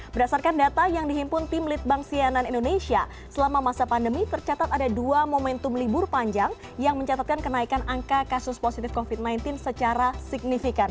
berdasarkan data yang dihimpun tim litbang sianan indonesia selama masa pandemi tercatat ada dua momentum libur panjang yang mencatatkan kenaikan angka kasus positif covid sembilan belas secara signifikan